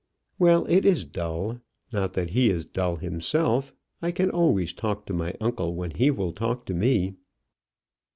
"Well; it is dull. Not that he is dull himself; I can always talk to my uncle when he will talk to me."